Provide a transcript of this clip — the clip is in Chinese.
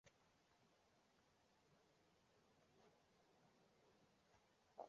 曾祖父陈友。